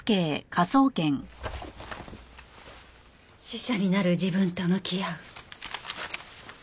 死者になる自分と向き合う。